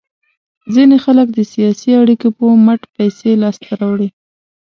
ځینې خلک د سیاسي اړیکو په مټ پیسې لاس ته راوړي.